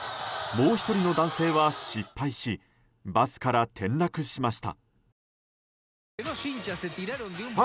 もう１人の男性は失敗しバスから転落しました。